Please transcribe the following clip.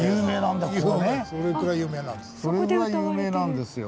それぐらい有名なんですよ。